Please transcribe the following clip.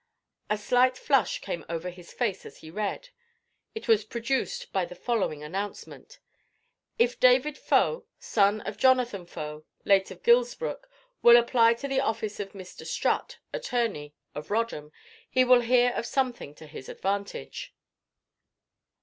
A slight flush came over his face as he read. It was produced by the following announcement:—"If David Faux, son of Jonathan Faux, late of Gilsbrook, will apply at the office of Mr. Strutt, attorney, of Rodham, he will hear of something to his advantage."